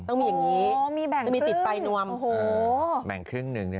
ต้องมีอย่างนี้มีติดไปนวมแบ่งครึ่งหนึ่ง